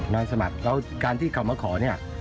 แล้วการที่เขามาขอเนี่ย